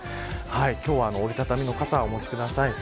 今日は折り畳みの傘をお持ちください。